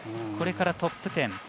これからトップ１０。